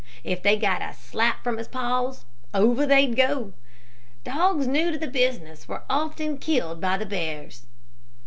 If they got a slap from his paws, over they'd go. Dogs new to the business were often killed by the bears."